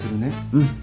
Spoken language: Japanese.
うん。